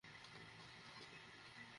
তুমি গতকাল কোথায় ছিলে?